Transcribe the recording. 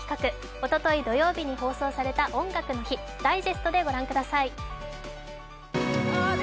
おととい土曜日に放送された「音楽の日」、ダイジェストでご覧ください。